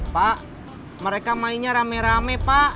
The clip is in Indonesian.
pak mereka mainnya rame rame pak